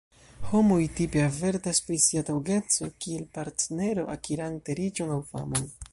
Homoj tipe avertas pri sia taŭgeco kiel partnero akirante riĉon aŭ famon.